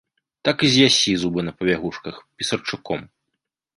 Так і з'ясі зубы на пабягушках, пісарчуком.